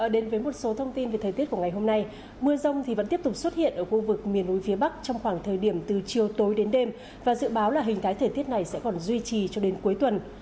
đến với một số thông tin về thời tiết của ngày hôm nay mưa rông vẫn tiếp tục xuất hiện ở khu vực miền núi phía bắc trong khoảng thời điểm từ chiều tối đến đêm và dự báo là hình thái thời tiết này sẽ còn duy trì cho đến cuối tuần